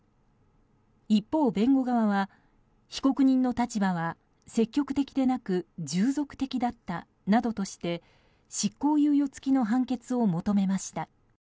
一方、弁護側は被告人の立場は積極的でなく従属的だったなどとして執行猶予付きの判決を求めました。